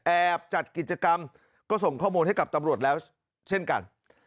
จัดกิจกรรมก็ส่งข้อมูลให้กับตำรวจแล้วเช่นกัน